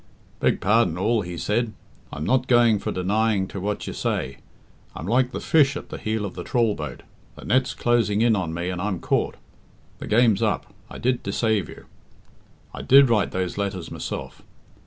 "Beg pardon all," he said. "I'm not going for denying to what you say. I'm like the fish at the heel of the trawl boat the net's closing in on me and I'm caught. The game's up. I did deceave you. I did write those letters myself.